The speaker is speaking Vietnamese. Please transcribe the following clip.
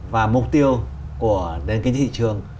và mục tiêu của đền kinh tế thị trường